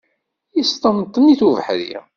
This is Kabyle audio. Yesṭenṭen-it ubeḥri.